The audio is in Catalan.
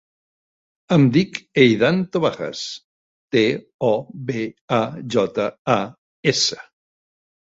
Em dic Eidan Tobajas: te, o, be, a, jota, a, essa.